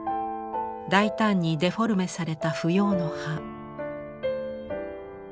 大胆にデフォルメされた芙蓉の葉。